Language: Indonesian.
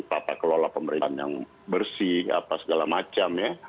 tata kelola pemerintahan yang bersih apa segala macam ya